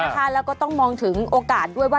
แล้วก็ต้องมองถึงโอกาสด้วยว่า